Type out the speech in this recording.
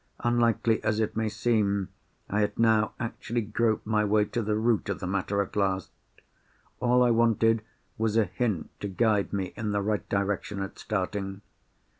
Unlikely as it may seem, I had now actually groped my way to the root of the matter at last. All I wanted was a hint to guide me in the right direction at starting.